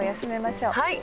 はい。